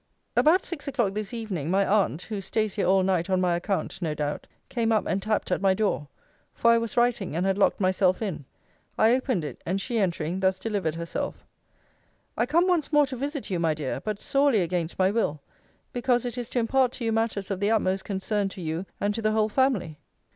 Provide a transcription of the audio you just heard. About six o'clock this evening, my aunt (who stays here all night, on my account, no doubt) came up and tapped at my door; for I was writing; and had locked myself in. I opened it; and she entering, thus delivered herself: I come once more to visit you, my dear; but sorely against my will; because it is to impart to you matters of the utmost concern to you, and to the whole family.